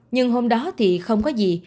nhưng hôm đó thì không có gì